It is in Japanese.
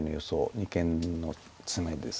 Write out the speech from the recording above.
二間のツメです。